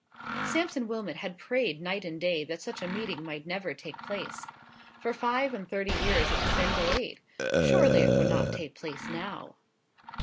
Sampson Wilmot had prayed night and day that such a meeting might never take place. For five and thirty years it had been delayed. Surely it would not take place now.